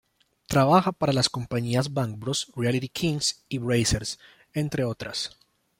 Trabaja para las compañías Bangbros, Reality Kings y Brazzers, entre otras.